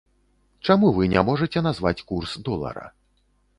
Чаму вы не можаце назваць курс долара?